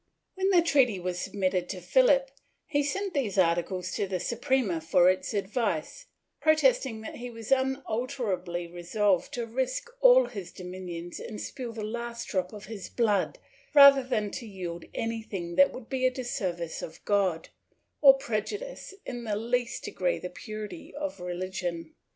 When the treaty was submitted to Philip, he sent these articles to the Suprema for its advice, protesting that he was un alterably resolved to risk all his dominions and spill the last drop of his blood, rather than to yield anything that would be to the disservice of God, or prejudice in the least degree the purity of religion.